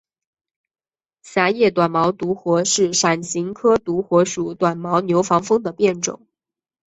狭叶短毛独活是伞形科独活属短毛牛防风的变种。